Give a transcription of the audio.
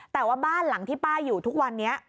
แต่ว่าบ้านหลังที่ป้าอยู่ทุกวันนี้